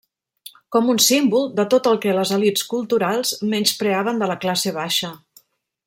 Com un símbol de tot el que les elits culturals menyspreaven de la classe baixa.